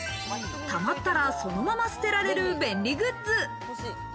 溜まったら、そのまま捨てられる便利グッズ。